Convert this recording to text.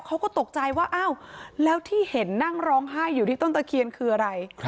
เขาก็ตกใจว่าอ้าวแล้วที่เห็นนั่งร้องไห้อยู่ที่ต้นตะเคียนคืออะไร